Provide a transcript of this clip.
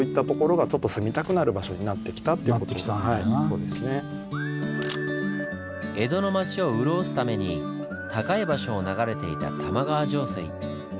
そういったところが江戸の町を潤すために高い場所を流れていた玉川上水。